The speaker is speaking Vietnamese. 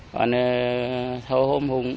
còn hồi hôm hùng